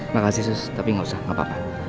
makasih sus tapi gak usah gak apa apa